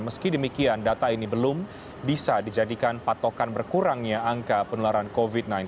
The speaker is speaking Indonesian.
meski demikian data ini belum bisa dijadikan patokan berkurangnya angka penularan covid sembilan belas